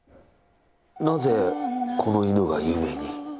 なぜこの犬が有名に？